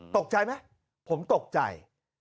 ตกใจไหมผมตกใจ